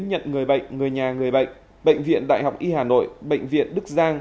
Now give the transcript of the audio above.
nhận người bệnh người nhà người bệnh bệnh viện đại học y hà nội bệnh viện đức giang